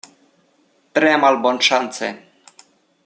Tre malbonŝance.